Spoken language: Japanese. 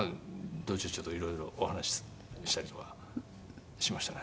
道中ちょっと色々お話ししたりとかしましたね。